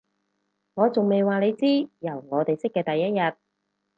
我仲未話你知，由我哋識嘅第一日